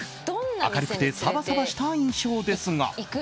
明るくてサバサバした印象ですが。